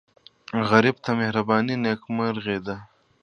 غریب ته مهرباني نیکمرغي ده